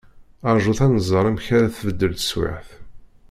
Rjut ad nẓer amek ara tbeddel teswiεt.